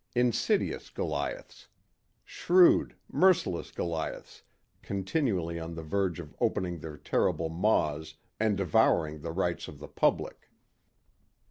Insidious Goliaths; shrewd, merciless Goliaths continually on the verge of opening their terrible maws and devouring the rights of the public.